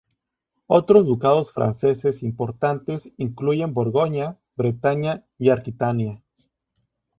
Otros ducados franceses importantes incluyen Borgoña, Bretaña y Aquitania.